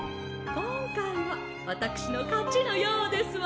こんかいはわたくしのかちのようですわね。